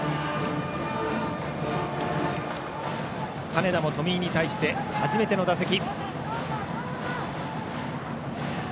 金田も冨井に対して初めての打席。